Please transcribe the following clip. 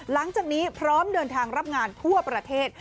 หลังจากนี้พร้อมเดินทางรับงานทั่วประเทศ